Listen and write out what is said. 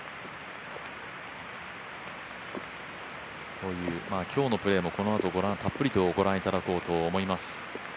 という、今日のプレーもこのあとたっぷりご覧いただきたいと思います。